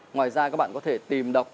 ngoài ra các bạn có thể tìm đọc